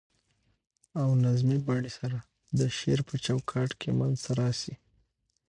او نظمي بڼې سره د شعر په چو کاټ کي منځ ته راشي.